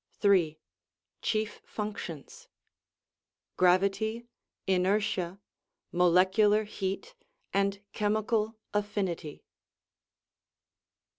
3. Chief Functions! Gravity, inertia, molecular heat, and chemical affinity.